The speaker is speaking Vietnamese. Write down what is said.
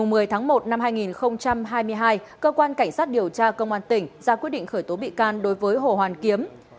một năm hai nghìn hai mươi hai cơ quan cảnh sát điều tra công an tỉnh ra quyết định khởi tố bị can đối với hồ hoàn kiếm